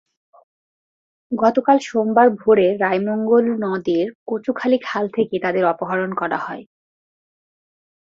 গতকাল সোমবার ভোরে রায়মঙ্গল নদের কচুখালী খাল থেকে তাঁদের অপহরণ করা হয়।